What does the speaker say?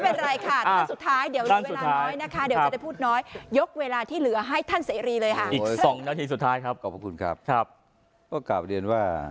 ไม่เป็นไรค่ะท่านสุดท้าย